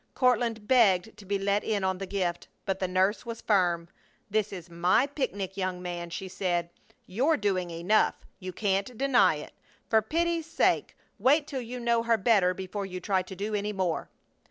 Courtland begged to be let in on the gift, but the nurse was firm: "This is my picnic, young man," she said. "You're doing enough! You can't deny it! For pity's sake, wait till you know her better before you try to do any more!"